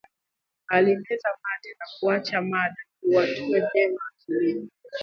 Alimeza mate na kuacha mada iwatue vyema akilini